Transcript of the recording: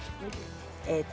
えっと